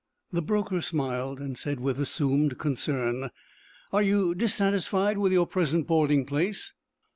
The broker smiled, and said with assumed concern: "Are you dissatisfied with your present boarding place?"